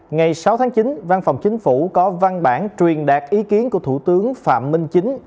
ngày sáu tháng chín văn phòng chính phủ có văn bản truyền đạt ý kiến của thủ tướng phạm minh chính